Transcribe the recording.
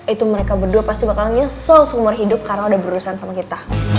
itu mereka berdua pasti bakal nyesel seumur hidup karena udah berurusan sama kita